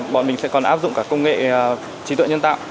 bọn mình sẽ còn áp dụng cả công nghệ trí tuệ nhân tạo